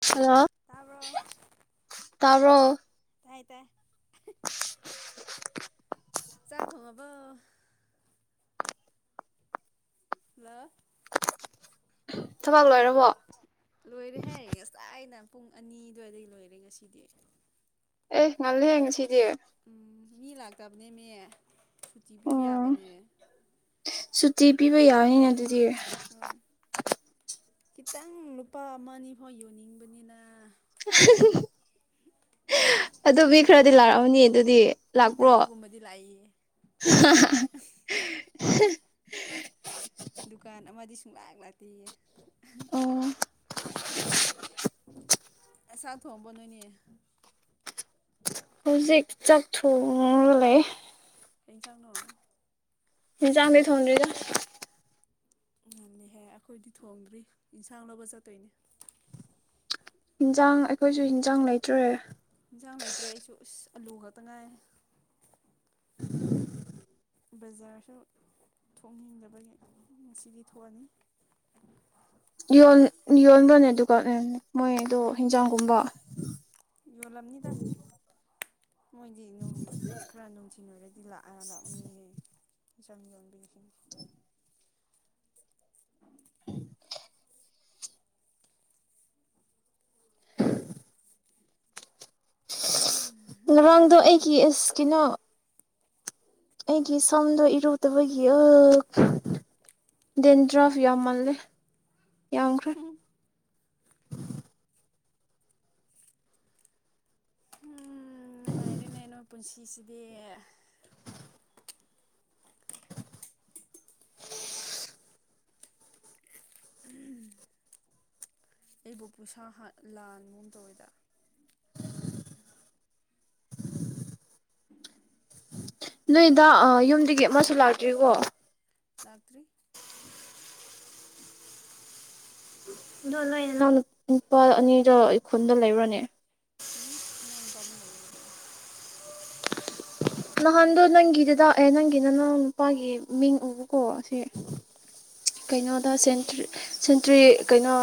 ꯑꯣ ꯍꯂ ꯇꯥꯕ꯭ꯔꯣ ꯇꯔꯣ ꯇꯦ [inaudible] ꯆꯥ ꯊꯣꯡꯕ ꯍꯜꯂꯣ ꯊꯕꯛ ꯂꯣꯏꯔ ꯂꯣꯏꯔꯦꯍꯦ ꯉꯁꯥꯏꯅ ꯄꯨꯡ ꯑꯅꯤ ꯑꯗꯨꯋꯥꯏꯗꯩ ꯂꯣꯏꯔꯦ ꯉꯁꯤꯗꯤ ꯑꯦ ꯉꯜꯂꯦ ꯉꯁꯤꯗꯤ ꯎꯝ ꯃꯤ ꯂꯥꯛꯇꯕꯅꯦ ꯃꯦ ꯁꯨꯇꯤ ꯄꯤꯕ ꯌꯥꯕꯅꯦ ꯇꯤ ꯄꯤꯕ ꯌꯥꯕꯅꯤꯅ ꯑꯗꯨꯗꯤ ꯍꯣꯏ ꯈꯤꯇꯪ ꯂꯨꯄꯥ ꯑꯃ ꯑꯅꯤꯐꯥꯎ ꯌꯣꯟꯅꯤꯡꯕꯅꯤꯅ ꯑꯗꯨ ꯃꯤ ꯈꯔꯗꯤ ꯂꯥꯛꯑꯝꯃꯅꯤ ꯑꯗꯨꯗꯤ ꯃꯤ ꯂꯥꯛꯄ꯭ꯔꯣ ꯇꯔꯨꯛꯀꯨꯝꯕꯗꯤ ꯂꯥꯛꯏꯌꯦ ꯁꯨꯡꯂꯣꯛ ꯂꯣꯛꯇꯦꯌꯥ [inaudible] ꯑꯁꯥ ꯊꯣꯡꯉꯕ ꯅꯣꯏꯅꯤ ꯍꯧꯖꯤꯛ ꯆꯥꯛ ꯊꯣꯡꯉꯒ ꯂꯩ ꯀꯩ ꯐꯦꯟꯁꯥꯡꯅꯣ ꯍꯤꯡꯖꯥꯡꯗꯤ ꯊꯣꯡꯗꯔꯤꯗ ꯉꯟꯂꯂꯍꯦ ꯑꯩꯈꯣꯏꯗꯤ ꯊꯣꯡꯗ꯭ꯔꯤ ꯌꯦꯟꯁꯥꯡ ꯂꯧꯕ ꯆꯠꯇꯣꯏꯅꯦ ꯌꯦꯟꯖꯥꯡ ꯑꯩꯈꯣꯏꯁꯨ ꯌꯦꯟꯖꯥꯡ ꯂꯩꯇ꯭ꯔꯦ ꯏꯟꯁꯥꯡ ꯂꯩꯇ꯭ꯔꯦ ꯑꯩꯁꯨ ꯑꯁ ꯑꯂꯨ ꯈꯛꯇ ꯉꯥꯏ [inaudible] ꯕꯖꯥꯔꯁꯨ ꯊꯣꯛꯅꯤꯡꯗꯕꯒꯤ ꯉꯁꯤꯗꯤ ꯊꯣꯛꯑꯅꯤ ꯌꯣꯟꯕꯅꯦ ꯑꯗꯨꯒ ꯃꯣꯏꯗꯣ ꯍꯤꯡꯖꯥꯡꯒꯨꯝꯕ ꯌꯣꯜꯂꯝꯅꯤꯗ ꯃꯣꯏꯗꯤ ꯅꯨꯡ ꯈꯔ ꯅꯨꯡꯊꯤꯟ ꯑꯣꯏꯔꯗꯤ ꯂꯤꯂ ꯑ ꯎ ꯆꯪꯅꯕꯤ [inaudible] [inaudible] [inaudible] ꯔꯥꯡꯗ ꯑꯩ ꯀꯦꯁ ꯀꯩꯅꯣ ꯑꯩꯒꯤ ꯁꯝꯗꯣ ꯏꯔꯨꯗꯕꯒꯤ ꯑ ꯗꯦꯟꯗ꯭ꯔꯥꯐ ꯌꯥꯝꯃꯜꯂꯦ ꯌꯥꯝꯈ꯭ꯔꯦ ꯎꯝ ꯅꯨꯡꯉꯥꯏꯔꯦꯅꯦ ꯅꯣꯏ ꯄꯨꯟꯁꯤꯁꯤꯗꯤ ꯎꯝ ꯑꯩꯕꯨ ꯄꯩꯁꯥ ꯂꯥꯟꯒꯨꯝ ꯇꯧꯋꯦꯗ [unintelligible] ꯂꯇ꯭ꯔꯤ ꯑꯣꯏ ꯅ ꯅꯨꯄꯥ ꯑꯅꯤꯗ ꯑꯩꯈꯨꯜꯗ ꯂꯩꯔꯅꯦ ꯎꯝ ꯅꯅ ꯄꯝꯕ ꯂꯩꯉꯗꯤ ꯅꯍꯥꯟꯗꯣ ꯅꯪꯒꯤꯗꯨꯗꯥꯛ ꯑꯦ ꯅꯪꯒꯤ ꯅ ꯅꯪ ꯅꯨꯄꯥꯒꯤ ꯃꯤꯡ ꯎꯕꯀꯣ ꯁꯤ ꯀꯩꯅꯣꯗꯔꯤ ꯁꯦꯟꯇ꯭ꯔꯤ ꯀꯩꯅꯣ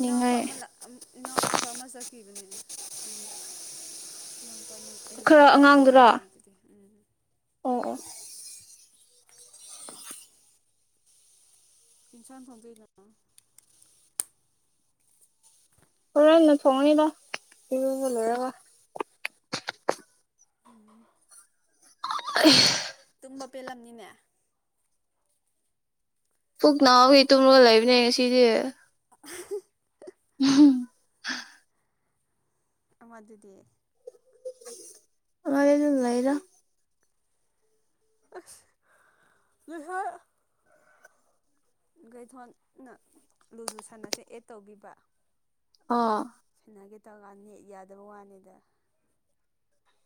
ꯏꯅꯥꯎꯄꯥ ꯑꯃ ꯏꯅꯥꯎꯄꯥ ꯑꯃ ꯆꯠꯈꯤꯕꯅꯦ ꯌꯨꯝꯗ [inaudible] ꯅꯨꯄꯥ ꯑꯩꯒꯤ ꯈꯔ ꯂꯩꯕꯗꯨꯗꯤ ꯑꯗꯨꯝ ꯑꯉꯥꯡꯗꯨꯔꯥ ꯂꯩꯕꯗꯦ ꯎꯝ ꯑꯣ ꯑꯣ ꯏꯟꯁꯥꯟ ꯊꯗꯅ ꯍꯅ ꯁꯣꯅꯤꯗ ꯏꯂꯔ ꯑ [unintelligible] ꯇꯨꯝꯕ ꯄꯦꯜꯂꯝꯅꯤꯅꯦ ꯄꯨꯛ ꯅꯍꯥꯎꯈ ꯇꯨꯝꯃꯒ ꯂꯩꯕꯅꯦ ꯉꯁꯤꯁꯦ [unintelligible] ꯎꯝ ꯃꯗꯨꯗꯤ ꯑꯅ ꯂꯩꯏꯗ ꯍꯣꯏ ꯊꯣꯟꯅ ꯂꯨꯗꯨ ꯁꯟꯅꯁꯦ ꯑꯦꯠ ꯇꯧꯕꯕ ꯑꯥ ꯁꯤꯟꯅꯒꯦ ꯇꯧꯔ ꯀꯥꯟꯗ ꯅꯦꯦꯛ ꯌꯥꯗꯕ ꯋꯥꯅꯤꯗ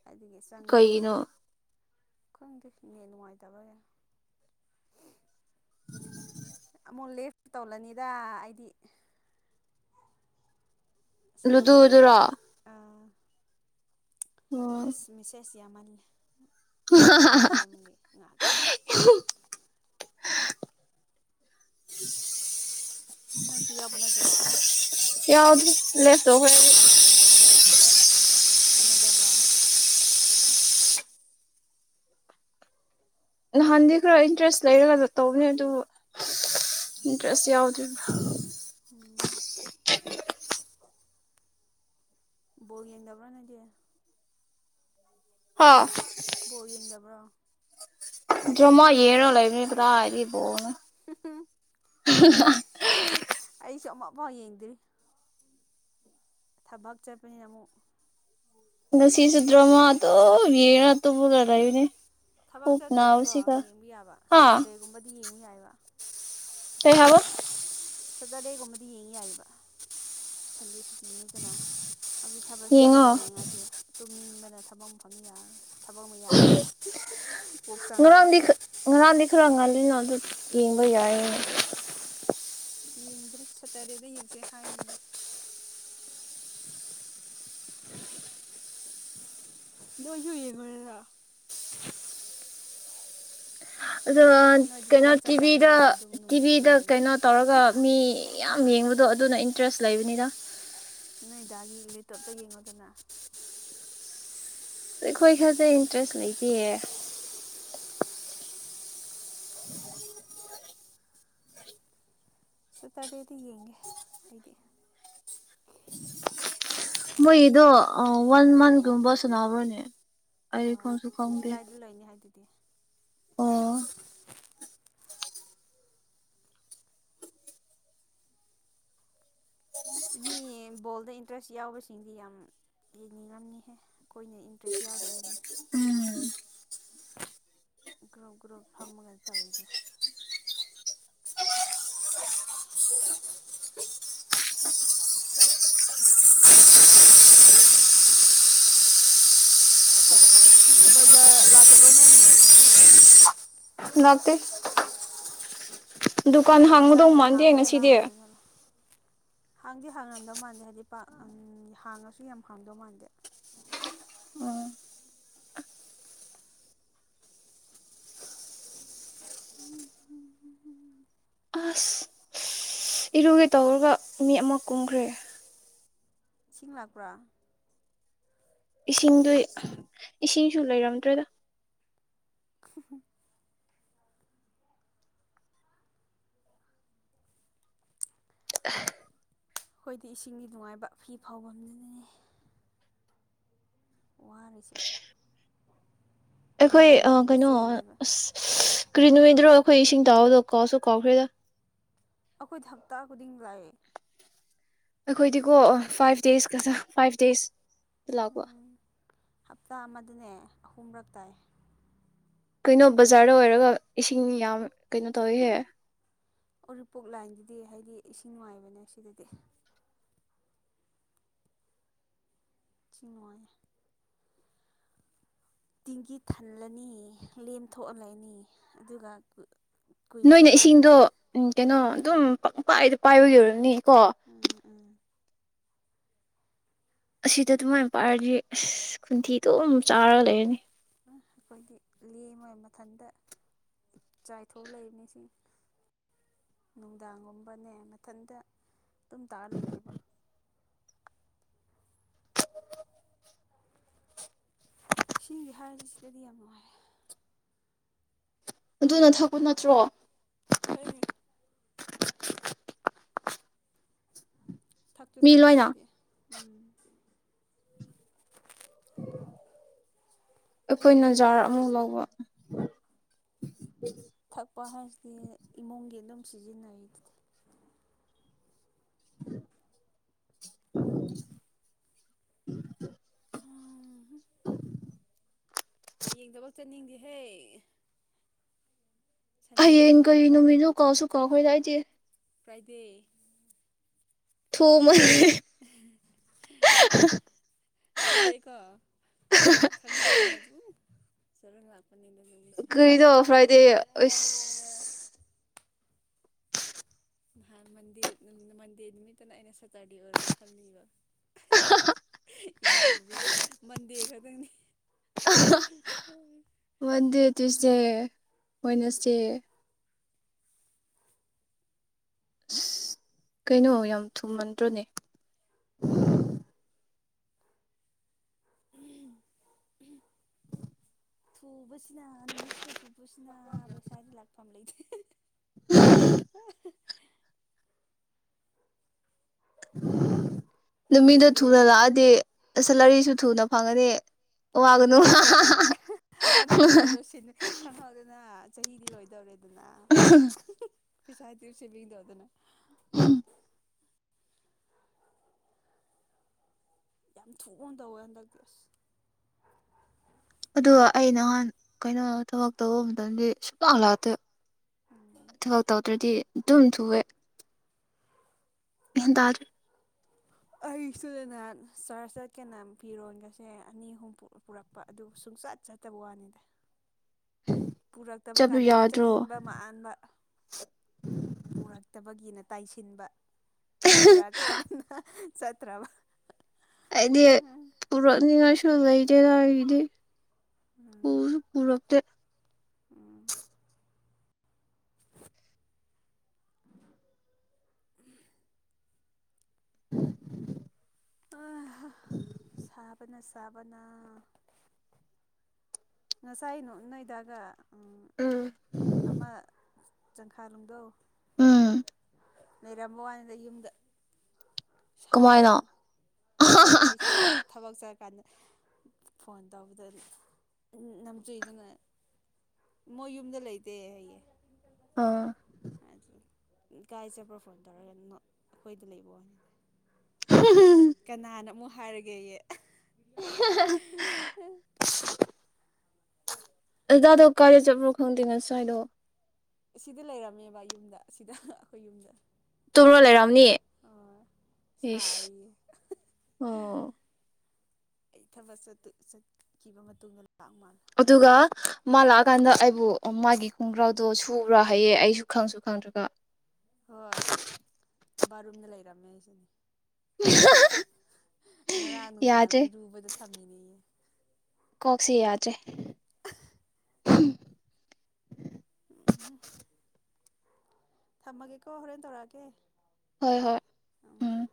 ꯑꯗꯨꯒꯤ ꯆꯪꯗ꯭ꯔꯦ ꯀꯩꯒꯤꯅꯣ ꯈꯥꯪ ꯗꯦ ꯅꯦꯠ ꯅꯨꯉꯥꯏ ꯇꯕꯥ ꯒꯤꯔꯥ ꯑꯃꯨꯛ ꯂꯦꯐ ꯇꯧꯜꯂꯅꯤꯗ ꯑꯩꯗꯤ ꯁꯅꯥꯁꯤ ꯅꯨꯗꯤ ꯂꯨꯗꯨꯗꯨꯔꯣ ꯑ ꯎꯝ ꯏꯁ ꯃꯤꯁꯦ ꯁꯤ ꯌꯥꯝ ꯃꯜ ꯂꯦ ꯋꯥꯊꯤ ꯋꯥꯔꯦꯝꯒꯤ ꯉꯥꯛꯇ [unintelligible] ꯅꯪ ꯁꯤ ꯌꯥꯎ ꯕ ꯅꯠꯇ꯭ꯔꯣ [unintelligible] ꯆꯥꯟꯅꯗꯕ꯭ꯔꯥ ꯅꯍꯥꯟꯗꯤ ꯈꯔ ꯏꯟꯇꯔꯦꯁ ꯂꯩꯔꯒ ꯇꯧꯕꯅꯦ ꯑꯗꯨꯕꯨ ꯏꯟꯇꯔꯦꯁ ꯌꯥꯎꯗ꯭ꯔꯤꯕ꯭ꯔꯥ ꯎꯝ ꯕꯣꯜ ꯌꯦꯡꯗꯕ꯭ꯔꯥ ꯅꯗꯤ ꯍ ꯕꯣ ꯌꯦꯡꯗꯕ꯭ꯔꯣ ꯭ꯔꯃ ꯍꯦꯔꯣ ꯂꯩ ꯄꯥ ꯑꯗꯤ ꯥꯎꯅ [unintelligible] [unintelligible] ꯑꯩꯁꯨꯃꯄꯥ ꯌꯦꯡꯗꯔꯤ ꯊꯕꯛ ꯆꯠꯄꯅꯤꯅ ꯑꯃꯨꯛ ꯉꯁꯤꯁꯨ ꯗꯔ꯭ꯃꯥ ꯑꯗꯨꯝ ꯇꯨꯝꯃꯒꯥ ꯂꯩꯕꯅꯦ ꯊꯕꯛ ꯆꯠꯇ꯭ꯔꯗꯤꯀꯣ ꯌꯦꯡꯕ ꯌꯥꯕ ꯍꯥ ꯁꯇꯔꯗꯦꯒꯨꯝꯕꯗꯤ ꯌꯦꯡꯕ ꯌꯥꯏꯕ ꯀꯩ ꯍꯥꯏꯕ ꯁꯇꯔꯗꯦꯒꯨꯝꯕꯗꯤ ꯌꯦꯡ ꯌꯥꯏꯕ ꯁꯟꯗꯦꯁꯤꯗ ꯇꯤꯅꯤꯗꯅ ꯍꯧꯖꯤꯛ ꯊꯕꯛ ꯌꯦꯡꯉꯣ ꯆꯠꯂꯒ ꯌꯦꯡꯉꯗꯦ ꯇꯨꯝꯅꯤꯡꯕꯅꯠꯇ ꯊꯕꯛ ꯑꯃꯐꯝꯅꯤ ꯌꯥꯔ ꯊꯕꯛ ꯃꯌꯥꯝꯗꯨꯒ ꯀꯣꯛ ꯆꯪꯉꯔꯣꯏ ꯑꯗꯨꯅ ꯑꯗꯨ ꯌꯦꯡꯕ ꯌꯥꯏꯌꯦ ꯌꯦꯡꯗ꯭ꯔꯤ ꯁꯇꯔꯗꯦꯗ ꯌꯦꯡꯁꯦ ꯍꯥꯏꯥꯏꯔꯤꯅꯦ ꯅꯁꯨꯨꯏ ꯌꯦꯉꯗ ꯑꯗꯣ ꯅꯣꯏꯗꯤ ꯀꯩꯅꯣ ꯊꯕꯛ ꯇꯤꯚꯤꯗ ꯆꯠꯇꯕꯅꯤꯅ ꯑꯗꯨꯝ ꯅꯨꯡꯊꯤꯟꯗ ꯇꯤꯚꯤꯗ ꯌꯦꯡꯉ ꯀꯩꯅꯣ ꯇꯧꯔꯒ ꯃꯤ ꯌꯥꯝ ꯌꯦꯡꯕꯗꯣ ꯑꯗꯨꯅ ꯗ꯭ꯔꯦꯁ ꯂꯩꯕꯅꯤꯗ ꯍꯗꯥꯒꯤ ꯂꯦꯞꯇꯣꯞꯇ ꯌꯦꯡꯉꯣꯗꯅ ꯑꯩꯈꯣꯏ ꯈꯔꯗꯤ ꯏꯟꯇꯔꯦꯁ ꯂꯩꯇꯦꯌꯦ ꯁꯇꯥꯔꯗꯦꯗꯤ ꯌꯦꯡꯒꯦ ꯑꯩꯗꯤ ꯃꯣꯏ ꯏꯗꯣ ꯋꯥꯟ ꯑꯥ ꯃꯟꯊꯒꯨꯝꯕ ꯁꯅꯥꯕ꯭ꯔꯅꯦ ꯑꯩꯔ ꯍꯣꯏ ꯀꯁꯨ ꯈꯣꯡꯗꯦ ꯖꯨꯂꯥꯏꯗ [inaudible] ꯑꯁ ꯃꯤ ꯕꯣꯜꯗ ꯏꯟꯇꯔꯦꯁ ꯌꯥꯎꯕꯁꯤꯡꯁ ꯌꯥꯝ ꯌꯦꯡꯅꯤꯡꯉꯝꯅꯤꯍꯦ ꯑꯩꯈꯣꯏꯅ ꯏꯟꯇꯔꯦꯁ ꯌꯥꯎꯗꯧꯔꯤꯅꯦ ꯒ꯭ꯔꯨꯞ ꯒ꯭ꯔꯨꯞ ꯐꯝꯃꯒ ꯇꯧꯋꯤꯗꯣ [unintelligible] ꯕꯖꯥꯔ ꯂꯥꯛꯇꯕꯅ ꯑꯩꯅꯤ ꯉꯁꯤ ꯅꯠꯇ ꯗꯨꯀꯥꯟ ꯍꯧꯖꯤꯛ ꯍꯥꯡꯕꯗꯧ ꯏꯟꯁꯥꯡꯒꯤ ꯃꯥꯟꯗꯤ ꯍꯥꯡꯕ ꯉ ꯖꯠꯂꯥ ꯁꯤꯗꯤ ꯍꯥꯡꯗ꯭ꯔ ꯖꯠꯂꯥ ꯍꯥꯡꯗꯤ ꯍꯥꯡꯉꯝꯗꯧ ꯃꯥꯟꯗꯦ ꯍꯥꯏꯗꯤ ꯍꯥꯡꯉꯁꯨ ꯌꯥꯝ ꯍꯥꯡꯗꯧ ꯃꯥꯟꯗꯦ ꯎꯝꯝ ꯑꯁ ꯏꯔꯨꯒꯦ ꯇꯧꯔꯒ ꯃꯤ ꯑꯃ ꯀꯨꯝꯈ꯭ꯔꯦ ꯏꯁꯤꯡ ꯂꯥꯛꯄ꯭ꯔꯥ ꯏꯁꯤꯡꯗꯨ ꯏꯁꯤꯡꯁꯨ ꯂꯩꯔꯝꯗ꯭ꯔꯦꯗ [unintelligible] [unintelligible] ꯑꯩꯈꯣꯏꯗꯤ ꯏꯁꯤꯡꯒꯤ ꯅꯨꯡꯉꯥꯏꯕ ꯐꯤ ꯐꯥꯎꯕꯗꯨꯅꯅꯦ ꯋꯥꯔꯤꯁꯦ ꯑꯩꯈꯣꯏ ꯃꯅꯝꯗꯣ ꯀꯩꯅꯣ ꯆꯦꯜꯂꯦꯕ ꯑs ꯀ꯭ꯔꯤꯅꯅꯣꯏꯗ꯭ꯔꯣ ꯑꯩꯈꯣꯏ ꯏꯁꯤꯡ ꯇꯥꯎꯑꯣꯗꯣ ꯀꯥꯎꯁꯨ ꯀꯥꯎꯈ꯭ꯔꯦꯗ ꯑꯩꯈꯣꯏꯗ ꯍꯞꯇꯥ ꯈꯨꯗꯤꯡ ꯂꯥꯛꯑꯦ ꯑꯩꯈꯣꯏꯗꯤꯀꯣ ꯐꯥꯏꯚ ꯗꯦꯖꯀꯖꯥ ꯐꯥꯏꯚ ꯗꯦꯖ ꯇꯥꯂꯛꯄ ꯍꯞꯇꯥ ꯑꯃꯗꯅꯦ ꯑꯍꯨꯝꯔꯛ ꯇꯥꯏ ꯀꯩꯅꯣ ꯕꯖꯥꯔꯗ ꯑꯣꯏꯔꯒ ꯏꯁꯤꯡ ꯌꯥꯝ ꯀꯩꯅꯣ ꯇꯧꯋꯤꯍꯦ ꯎꯔꯤꯄꯣꯛ ꯂꯥꯏꯟꯗꯨꯗꯤ ꯍꯥꯏꯗꯤ ꯏꯁꯤꯡ ꯅꯨꯡꯉꯥꯏꯕꯅꯦ ꯁꯤꯗꯗꯤ ꯆꯤꯡꯃꯣꯏ ꯇꯦꯡꯒꯤ ꯊꯜꯂꯅꯤ ꯂꯦꯝꯊꯣꯛꯍꯜꯂꯅꯤ ꯑꯗꯨꯒ ꯀꯨꯏꯅꯁꯨ ꯅꯣꯏꯅ ꯄꯥꯏꯗꯦ ꯏꯁꯤꯡꯗꯣ ꯎ ꯀꯩꯅꯣ ꯑꯗꯨꯝ ꯄꯪ ꯄꯥꯏꯗꯣ ꯄꯥꯏꯕ ꯌꯧꯔꯅꯤ ꯀ ꯎꯝ ꯎꯝ ꯑꯁꯤꯗ ꯑꯗꯨꯃꯥꯏꯅ ꯄꯥꯏꯔꯗꯤ ꯑꯁ ꯈꯨꯟꯊꯤꯗꯣ ꯆꯥꯔꯒ ꯂꯩꯔꯅꯤ ꯑꯩꯈꯣꯏꯒꯤ ꯂꯦꯝꯉꯣꯏ ꯃꯊꯟꯗ ꯆꯥꯏꯊꯣꯛ ꯂꯩꯕ ꯃꯤꯁꯤꯡ ꯅꯨꯡꯗꯥꯡꯒꯨꯝꯕꯅꯦ ꯃꯊꯟꯇ ꯑꯗꯨꯝ ꯇꯥꯔ ꯂꯩꯅꯦꯕ ꯁꯤꯁ ꯍꯥꯏꯔꯤꯁꯤ ꯁꯤꯗꯗꯤ ꯌꯥꯝ ꯅꯨꯡꯉꯥꯏꯔꯦ ꯑꯗꯨꯅ ꯊꯛꯄ ꯅꯠꯇ꯭ꯔꯣ ꯊ ꯊꯁꯨ ꯃꯤ ꯊꯛꯑꯦ ꯂꯣꯏꯅ ꯑꯩꯈꯣꯏꯗꯤ ꯎꯝ ꯑꯩꯈꯣꯏꯅꯖꯥꯔ ꯑꯃꯨꯛ ꯂꯧꯕ ꯊꯛ ꯑꯄꯥ ꯍꯥꯏꯁꯤꯗꯤ ꯏꯃꯨꯡꯒꯤ ꯑꯗꯨꯝ ꯁꯤꯖꯤꯟꯅꯩꯗꯨꯗꯤ ꯑꯣꯝ ꯍ ꯍꯌꯦꯡ ꯀꯔꯤ ꯅꯨꯃꯤꯠꯅꯣ ꯀꯥꯎꯁꯨ ꯀꯥꯎ ꯑꯩꯈꯣꯏꯗꯥ ꯍꯥꯏꯏꯗꯤꯦ ꯄ꯭ꯔꯥꯏꯗꯦ ꯊꯣꯡꯃ ꯊꯨꯑꯦꯀꯣ ꯈꯪꯍꯥꯎꯗ ꯅ ꯑꯗꯨꯕꯨ ꯁꯔ ꯂꯥꯛ ꯀꯔꯤꯗꯣ ꯐ꯭ꯔꯥꯏꯗꯦ ꯃꯟꯗꯤꯦ ꯃꯟꯗꯤꯦ ꯅꯨꯃꯤꯠꯇꯅ ꯑꯩꯅ ꯁꯇꯥꯔꯗꯦ ꯑꯣꯏꯔꯔꯕꯣ ꯈꯜꯂꯤꯕ ꯏꯃꯥꯟꯕꯤꯅ ꯃꯟꯗꯦ ꯈ ꯑꯗꯨꯅꯤ ꯃꯗ ꯇꯁꯦ ꯑꯣꯏꯅꯁꯦ ꯑꯁ ꯀꯩꯅꯣ ꯌꯥꯝ ꯊꯨꯝꯃꯟꯗ꯭ꯔꯣꯅꯦ ꯊꯨꯕꯁꯤꯅ ꯅꯨꯃꯤꯠꯁꯤꯅ ꯊꯨꯕꯁꯤꯅ ꯄꯩꯁꯥꯗꯤ ꯂꯥꯛꯄ ꯂꯩꯇꯦ ꯑꯩ ꯅꯨꯃꯤꯗ ꯊꯨꯅ ꯚꯤꯂꯦꯖ ꯂꯥꯛꯑꯗꯤ ꯁꯦꯂꯔꯤꯁꯨ ꯊꯨꯅ ꯑꯉꯅꯦꯦ ꯑꯗꯨ ꯑꯗꯨꯣ ꯑꯗꯨꯗꯣꯂꯣ ꯁꯤꯅꯤ ꯀꯩꯅꯗ ꯆꯍꯤꯗꯤ ꯂꯣꯏꯗꯧꯔꯦꯗꯤ ꯅ ꯄꯤꯁꯥꯠꯇꯔꯁꯤꯕꯤꯒꯗ ꯑꯗꯨꯅꯦ ꯎ ꯌꯥꯝ ꯊꯨꯅ ꯇꯧꯋꯦ ꯍꯟꯗꯛꯇꯤ ꯑꯁ ꯑꯗꯨꯒ ꯑꯩ ꯅꯍꯥꯟ ꯀꯩꯅꯣ ꯊꯕꯛ ꯇꯧꯕ ꯃꯇꯝꯗꯤ ꯁꯨꯡꯂꯥꯛ ꯂꯥꯛꯇꯦ ꯎꯝ ꯊꯕꯛ ꯇꯧꯗ꯭ꯔꯗꯤ ꯑꯗꯨꯝ ꯊꯨꯑꯦ ꯏꯗꯔ ꯑꯩ ꯏꯁꯨꯗ ꯅꯍ ꯆꯥꯔꯖ ꯆꯠꯀꯦꯅ ꯐꯤꯔꯣꯟꯒꯁꯦ ꯑꯅꯤ ꯑꯍꯨꯝ ꯄꯨꯔꯛꯄ ꯑꯗꯨ ꯁꯨꯡꯆꯠ ꯆꯠꯇꯕ ꯋꯥꯅꯤꯗ ꯄꯨꯔꯛꯇꯕ ꯆꯠꯄ ꯀꯥꯟꯗꯅ ꯌꯥꯗ꯭ꯔꯣ ꯆꯠꯅꯤꯡꯕ ꯃꯥꯟꯕ ꯄꯨꯔꯛꯇꯕꯒꯤꯅ ꯇꯥꯏꯁꯤꯟꯕ ꯄꯨꯔꯥ ꯀꯥꯗꯅ ꯆꯠꯇꯔꯥꯕ ꯑꯗꯤ ꯄꯔꯉ ꯂ ꯏꯗꯦ ꯂ ꯏꯗꯤ ꯎꯔ ꯄꯨꯔꯐꯇ ꯎꯝ ꯎꯝ [inaudible] [inaudible] ꯁꯥꯕꯅ ꯁꯥꯥꯕꯅ ꯉꯁꯥꯏꯅꯣ ꯏꯅꯣꯏꯒ ꯑꯥ ꯆꯪꯈꯥꯔꯨꯝꯗꯧ ꯎꯝ ꯅ ꯔꯝꯕ ꯋꯥ ꯌꯨꯝꯗ ꯀꯃꯥꯏꯅ ꯁꯥꯏꯌꯦꯅ ꯈꯪꯉꯦ ꯑꯩꯁꯨ ꯊꯕꯛ ꯆꯠꯀꯦ ꯀꯥꯟꯗ ꯐꯣꯟ ꯇꯧꯕꯗ ꯅꯝꯖꯨꯗꯅ ꯃꯣꯏ ꯌꯨꯝꯗ ꯂꯩꯇꯦ ꯑꯩꯌꯦ ꯑꯥ ꯀꯥꯏ ꯆꯦꯕ꯭ꯔꯣ ꯐꯣꯟ ꯇꯧꯔꯒ ꯑꯩꯈꯣꯏꯗꯤ ꯂꯩꯕꯅꯤ ꯎꯝ ꯀꯅꯥꯅ ꯑꯃꯨꯛ ꯍꯥꯏꯔꯒꯦꯌꯦ ꯑꯖꯗꯣ ꯀꯔꯤ ꯆꯠꯄ꯭ꯔꯣ ꯈꯪꯗꯦ ꯉ ꯁ꯭ꯋꯥꯏꯗꯣ ꯑꯁꯤꯗ ꯂꯩꯔꯝꯃꯦꯕ ꯌꯨꯝꯗ ꯑꯁꯤꯗ ꯑꯩꯈꯣꯏ ꯌꯨꯝꯗ ꯂꯩꯔ ꯑꯣ ꯏꯁ ꯁꯥꯏꯌꯦ ꯑꯣ ꯑꯩ ꯊꯕꯛ ꯆꯠꯈꯤꯕ ꯃꯇꯨꯡꯗ ꯂꯥꯛ ꯃꯥꯜꯂꯦ ꯑꯗꯨꯒ ꯃꯥ ꯂꯥꯛꯑꯀꯥꯟꯗ ꯑꯩꯕꯨ ꯃꯥꯒꯤ ꯈꯣꯡꯒ꯭ꯔꯥꯎꯗꯣ ꯁꯕꯨꯔꯥ ꯍꯥꯏꯌꯦꯦ ꯑꯩꯁꯨ ꯈꯪꯁꯨ ꯈꯪꯗ꯭ꯔꯒ ꯍꯣꯏ ꯕꯥꯔꯨꯝꯗ ꯂꯩꯔꯝꯃꯦ ꯑꯩꯁꯤꯅꯦ [inaudible] ꯉꯔꯥꯡ ꯅꯨꯡꯗꯥꯡ ꯌꯥꯗ꯭ꯔꯦ ꯏꯔꯨꯕꯗ ꯊꯝꯃꯤꯅꯦꯌꯦ ꯀꯣꯛꯁꯤ ꯌꯥꯗ꯭ꯔꯦ ꯊꯝꯃꯒꯦ ꯀꯣ ꯍꯔꯦꯟꯅ ꯇꯧꯔꯥꯒꯦ ꯍꯣꯏ ꯍꯣꯏ ꯎꯝ